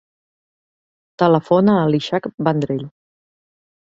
Telefona a l'Ishak Vendrell.